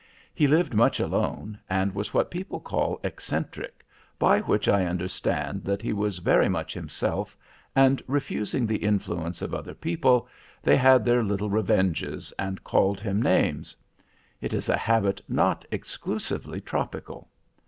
He lived much alone, and was what people call eccentric, by which I understand that he was very much himself, and, refusing the influence of other people, they had their little revenges, and called him names. It is a habit not exclusively tropical.